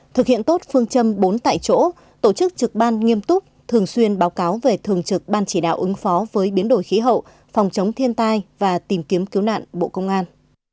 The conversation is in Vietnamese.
thực hiện tốt phương châm bốn tại chỗ tổ chức trực ban nghiêm túc thường xuyên báo cáo về thường trực ban chỉ đạo ứng phó với biến đổi khí hậu phòng chống thiên tai và tìm kiếm cứu nạn bộ công an